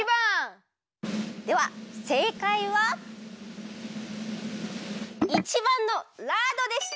ではせいかいは１ばんのラードでした！